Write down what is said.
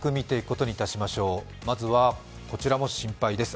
まずはこちらも心配です。